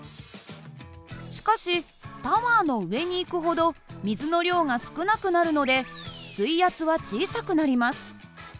しかしタワーの上に行くほど水の量が少なくなるので水圧は小さくなります。